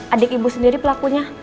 adik ibu sendiri pelakunya